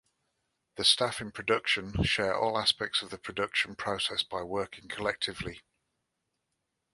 The staff in production share all aspects of the production process by working collectively.